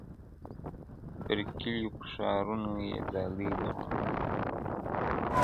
پر کلیو، پر ښارونو یې ځالۍ دي غوړولي،